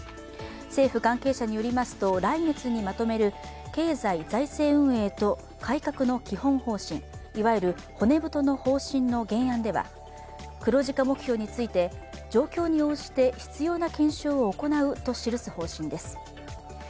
政府関係者によりますと来月にまとめる経済財政運営と改革の基本方針、いわゆる骨太の方針の原案では黒字化目標について、状況に応じて必要な検証を行うと記す方針です。